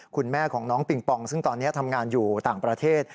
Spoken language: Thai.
คุณแม่ของน้องปิงปองซึ่งตอนนี้ทำงานอยู่ต่างประเทศ